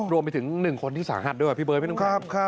รวมไปถึง๑คนที่สาหัสด้วยหรอพี่เบิ้ลไม่ต้องกลับ